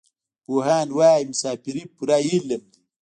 پوهان وايي مسافري پوره علم دی.